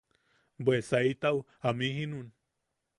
Bwe saitau amjijinun.